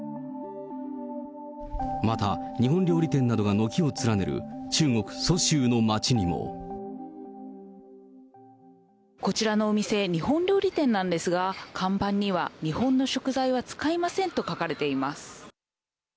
また、日本料理店などが軒を連ねる中国・蘇州の街にも。こちらのお店、日本料理店なんですが、看板には日本の食材は使いませんと書かれています。